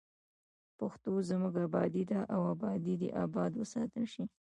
پښتو زموږ ابادي ده او ابادي دې اباد وساتل شي.